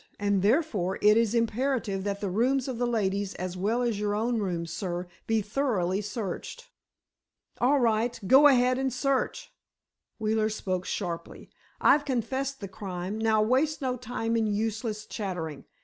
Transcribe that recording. And, therefore, it is imperative that the rooms of the ladies as well as your own rooms, sir, be thoroughly searched." "All right—go ahead and search!" Wheeler spoke sharply. "I've confessed the crime, now waste no time in useless chattering.